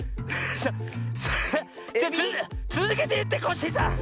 それつづけていってコッシーさん！